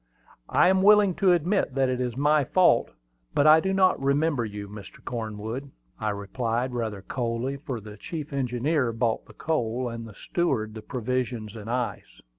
"I am willing to admit that it is my fault, but I do not remember you, Mr. Cornwood," I replied, rather coldly, for the chief engineer bought the coal, and the steward the provisions and ice.